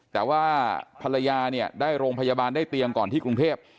แต่ว่าภรรยาเนี่ยได้โรงพยาบาลได้เตียงก่อนที่กรุงเทพ